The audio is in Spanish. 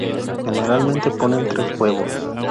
Generalmente ponen tres huevos.